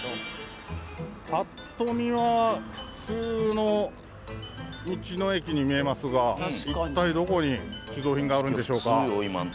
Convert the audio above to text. パッと見は普通の道の駅に見えますが一体どこに寄贈品があるんでしょうか。